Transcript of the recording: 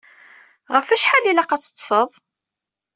Ɣef wacḥal i ilaq ad teṭṭseḍ?